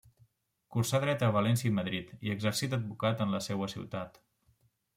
Cursà Dret a València i Madrid, i exercí d’advocat en la seua ciutat.